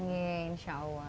iya insya allah